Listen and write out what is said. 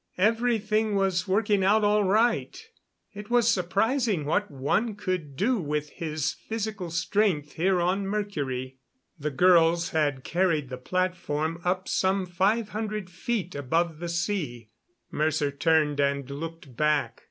Everything was working out all right; it was surprising what one could do with his physical strength here on Mercury. The girls had carried the platform up some five hundred feet above the sea. Mercer turned and looked back.